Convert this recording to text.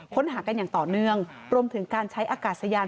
ค้นหากันอย่างต่อเนื่องรวมถึงการใช้อากาศยาน